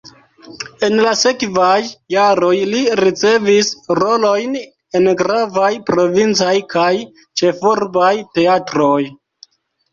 En la sekvaj jaroj li ricevis rolojn en gravaj provincaj kaj ĉefurbaj teatroj.